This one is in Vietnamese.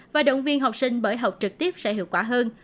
và động viên học sinh bởi học trực tiếp sẽ hiệu quả hơn